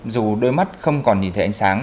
dù đôi mắt không còn nhìn thấy ánh sáng